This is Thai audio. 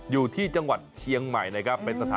อยู่ที่จังหวัดเชียงใหม่นะครับ